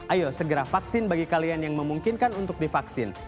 ayo segera vaksin bagi kalian yang memungkinkan untuk divaksin